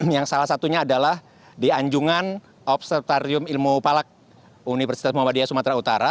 yang salah satunya adalah di anjungan obsertarium ilmu palak universitas muhammadiyah sumatera utara